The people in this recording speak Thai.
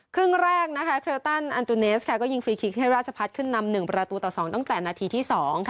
ครึ่งแรกเคลตันอันตูเนสก็ยิงฟรีคิกให้ราชพัฒน์ขึ้นนำ๑ประตูต่อ๒ตั้งแต่นาทีที่๒